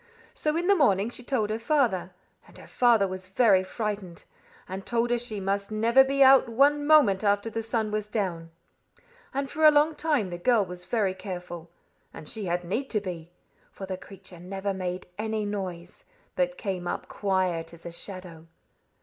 So in the morning she told her father. And her father was very frightened, and told her she must never be out one moment after the sun was down. And for a long time the girl was very careful. And she had need to be; for the creature never made any noise, but came up as quiet as a shadow.